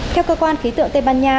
theo cơ quan khí tượng tây ban nha